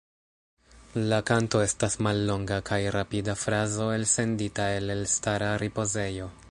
La kanto estas mallonga kaj rapida frazo elsendita el elstara ripozejo.